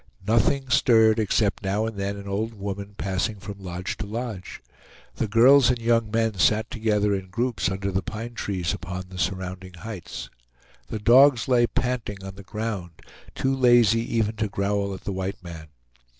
Nothing stirred except now and then an old woman passing from lodge to lodge. The girls and young men sat together in groups under the pine trees upon the surrounding heights. The dogs lay panting on the ground, too lazy even to growl at the white man.